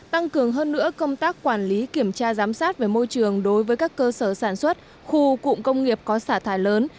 tăng cường hơn nữa công tác quản lý kiểm tra giám sát về môi trường đối với các cơ sở sản xuất khu cụm công nghiệp có xả thải lớn